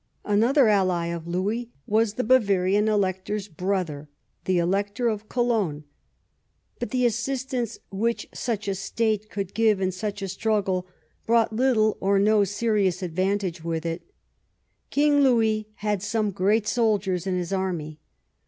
Another ally of Louis was the Bavarian Elector's brother, the Elector of Cologne, but the assistance which such a state could give in such a struggle brought little or no serious advantage with it King Louis had some great soldiers in his army.